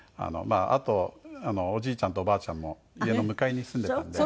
あとおじいちゃんとおばあちゃんも家の向かいに住んでたんで。